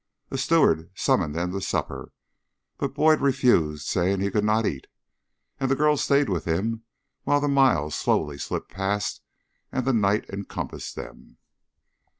A steward summoned them to supper, but Boyd refused, saying he could not eat, and the girl stayed with him while the miles slowly slipped past and the night encompassed them.